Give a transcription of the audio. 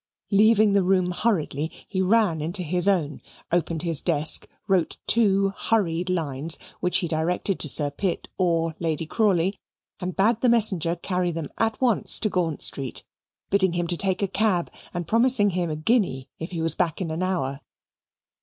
Leaving the room hurriedly, he ran into his own opened his desk, wrote two hurried lines, which he directed to Sir Pitt or Lady Crawley, and bade the messenger carry them at once to Gaunt Street, bidding him to take a cab, and promising him a guinea if he was back in an hour.